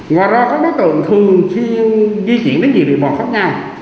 ngoài ra các đối tượng thường chuyên di chuyển đến nhiều địa bò khác nhau